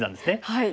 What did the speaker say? はい。